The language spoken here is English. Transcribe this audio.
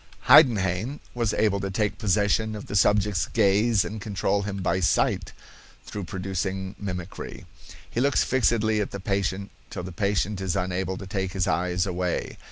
Heidenhain was able to take possession of the subject's gaze and control him by sight, through producing mimicry. He looks fixedly at the patient till the patient is unable to take his eyes away.